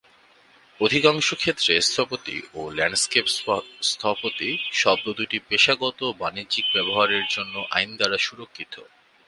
অধিকাংশ ক্ষেত্রে "স্থপতি" ও "ল্যান্ডস্কেপ স্থপতি" শব্দ দুইটি পেশাগত ও বাণিজ্যিক ব্যবহারের জন্য আইন দ্বারা সুরক্ষিত।